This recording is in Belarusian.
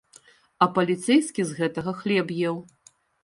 А паліцэйскі з гэтага хлеб еў.